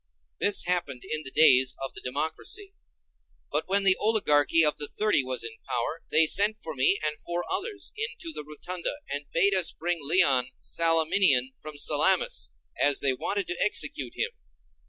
This happened in the days of the democracy. But when the oligarchy of the Thirty was in power, they sent for me and four others into the rotunda, and bade us bring Leon the Salaminian from Salamis, as they wanted to execute him.